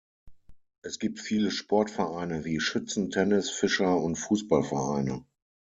Es gibt viele Sportvereine wie Schützen-, Tennis-, Fischer- und Fußballvereine.